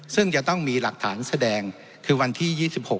ซึ่งจะต้องมีหลักฐานแสดงคือวันที่๒๖